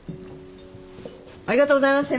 ありがとうございます。